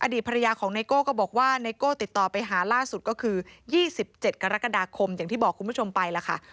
ดีตภรรยาของไนโก้ก็บอกว่าไนโก้ติดต่อไปหาล่าสุดก็คือ๒๗กรกฎาคมอย่างที่บอกคุณผู้ชมไปล่ะค่ะ